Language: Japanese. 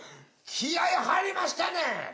気合い入りましたね。